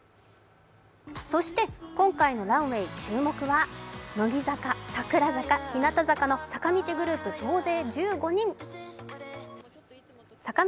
そして今回のランウェイ注目は、乃木坂、櫻坂、日向坂の坂道グループ総勢１５人です。